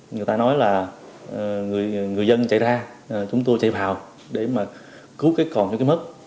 người ta nói là người dân chạy ra chúng tôi chạy vào để mà cứu cái còn cho cái mất